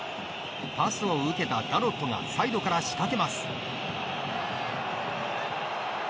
パスを受けたダロットがサイドから仕掛けます。